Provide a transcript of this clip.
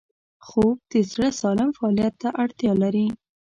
خوب د زړه سالم فعالیت ته اړتیا لري